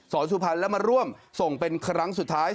สุพรรณแล้วมาร่วมส่งเป็นครั้งสุดท้าย